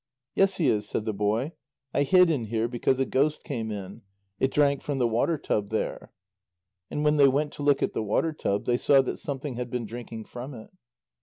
"Yes, he is," said the boy. "I hid in here because a ghost came in. It drank from the water tub there." And when they went to look at the water tub, they saw that something had been drinking from it.